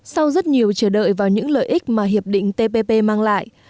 sau rất nhiều chờ đợi vào những lợi ích mà hiệp định tpp mang lại